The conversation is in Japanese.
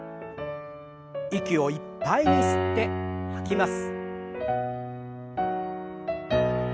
息をいっぱいに吸って吐きます。